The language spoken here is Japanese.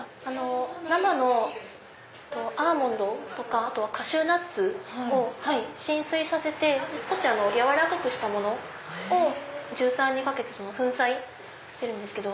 生のアーモンドとかカシューナッツを浸水させて少し軟らかくしたものをジューサーにかけて粉砕してるんですけど。